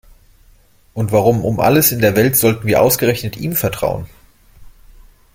Und warum um alles in der Welt sollten wir ausgerechnet ihm vertrauen?